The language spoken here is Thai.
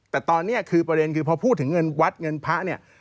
แต่ตอนนี้ประเด็นคือพอพูดถึงเงินวัฒน์เงินพระ